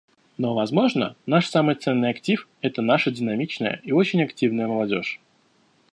Но, возможно, наш самый ценный актив — это наша динамичная и очень активная молодежь.